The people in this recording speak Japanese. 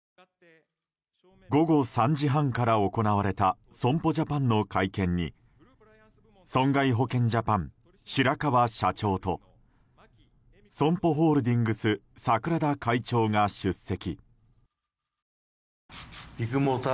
午後３時半から行われた損保ジャパンの会見に損害保険ジャパン、白川社長とＳＯＭＰＯホールディングス櫻田会長が出席。